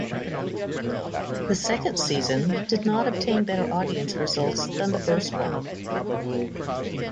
The second season did not obtain better audience results than the first one.